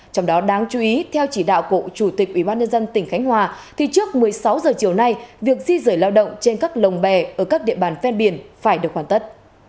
trong đó đáng chú ý theo chỉ đạo của chủ tịch ubnd tỉnh khánh hòa thì trước một mươi sáu h chiều nay việc di rời lao động trên các lồng bè ở các địa bàn ven biển phải được hoàn tất